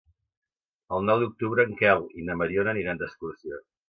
El nou d'octubre en Quel i na Mariona aniran d'excursió.